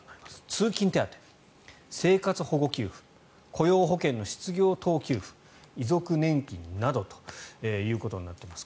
通勤手当、生活保護給付雇用保険の失業等給付遺族年金などということになっています。